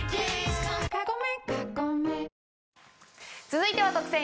続いては特選！